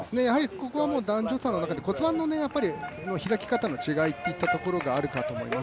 ここはもう男女差の骨盤の開き方の違いといったところがあるかと思います。